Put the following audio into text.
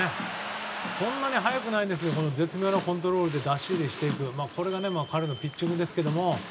そんなに速くないんですが絶妙なコントロールで出し入れしていくこれが彼のピッチングですけれども。